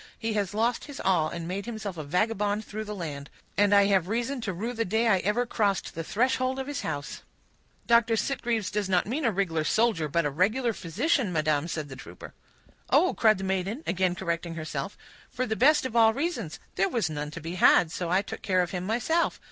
"He has lost his all, and made himself a vagabond through the land; and I have reason to rue the day I ever crossed the threshold of his house." "Dr. Sitgreaves does not mean a rig'lar soldier, but a regular physician, madam," said the trooper. "Oh!" cried the maiden, again correcting herself, "for the best of all reasons; there was none to be had, so I took care of him myself.